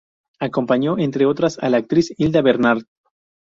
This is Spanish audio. Acompañó, entre otras, a la actriz Hilda Bernard.